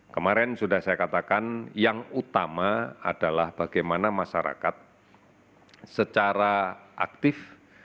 kemarin sudah saya katakan yang utama adalah bagaimana masyarakat secara aktif